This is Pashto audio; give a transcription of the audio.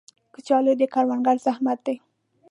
کچالو د کروندګرو زحمت دی